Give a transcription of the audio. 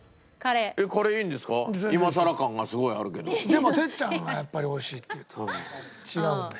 でも哲ちゃんがやっぱり「おいしい」って言うと違うんで。